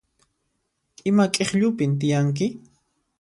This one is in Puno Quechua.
Ima k'ikllupin tiyanki?